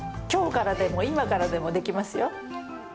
きょうからでも、今からでもできますよ。